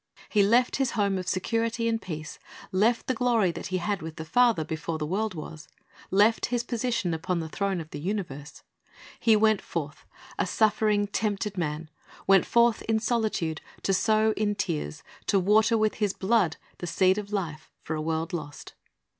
He left His home of security and peace, left the glory that He had with the Father before the world was, left His position upon the throne of the universe. He w^ent forth, a suffering, tempted man; went forth in solitude, to sow in tears, to water with His blood, the seed of life for a world lost.